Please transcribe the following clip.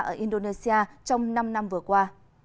ở indonesia trong năm năm vừa qua